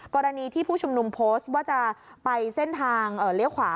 กรณีที่ผู้ชุมนุมโพสต์ว่าจะไปเส้นทางเลี้ยวขวา